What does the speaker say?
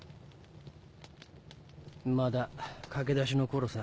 まだ駆け出しの頃さ。